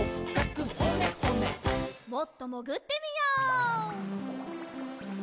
もっともぐってみよう。